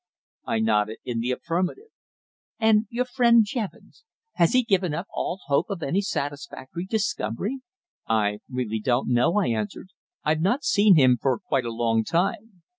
I nodded in the affirmative. "And your friend Jevons? Has he given up all hope of any satisfactory discovery?" "I really don't know," I answered. "I've not seen him for quite a long time.